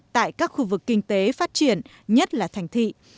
tại các khu vực kinh tế phát triển nhất là thành thị